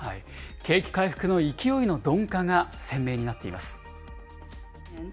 景気回復の勢いの鈍化が鮮明になっています。